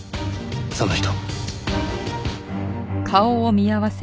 その人。